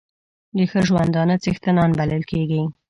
د ښه ژوندانه څښتنان بلل کېږي.